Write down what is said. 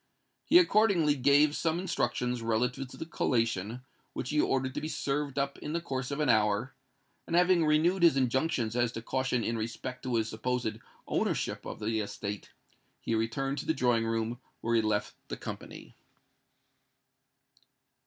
He accordingly gave some instructions relative to the collation, which he ordered to be served up in the course of an hour; and, having renewed his injunctions as to caution in respect to his supposed ownership of the estate, he returned to the drawing room where he had left the company.